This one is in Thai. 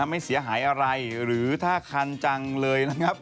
ไม่เสียหายอะไรหรือถ้าคันจังเลยนะครับ